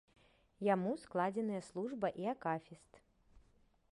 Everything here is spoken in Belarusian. Яму складзеныя служба і акафіст.